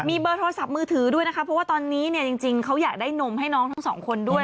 มีเบอร์โทรศัพท์มือถือด้วยนะคะเพราะว่าตอนนี้เนี่ยจริงเขาอยากได้นมให้น้องทั้งสองคนด้วย